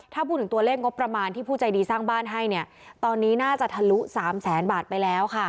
ถ้าพูดถึงตัวเลขงบประมาณที่ผู้ใจดีสร้างบ้านให้เนี่ยตอนนี้น่าจะทะลุ๓แสนบาทไปแล้วค่ะ